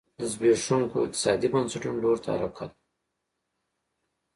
د زبېښونکو اقتصادي بنسټونو لور ته حرکت و